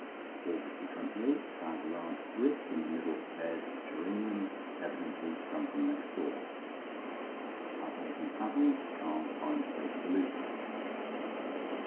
AUGUST 28.—Found a large brick in the middle bed of geraniums, evidently come from next door. Pattles and Pattles can't find a place for Lupin.